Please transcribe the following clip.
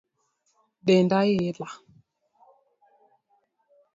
Denda ila